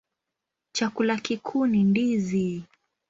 Chakula kikuu ni ndizi.